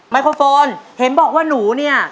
ไมโครโฟนเห็นบอกว่าหนูเนี่ย